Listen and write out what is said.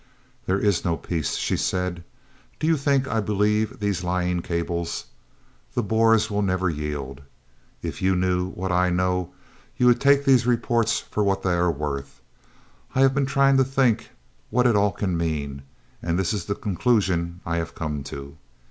"There is no peace!" she said. "Do you think I believe these lying cables? The Boers will never yield. If you knew what I know, you would take these reports for what they are worth. I have been trying to think what it all can mean, and this is the conclusion I have come to.